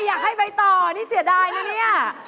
อยากให้ไปต่อนี่เสียดายนะเนี่ย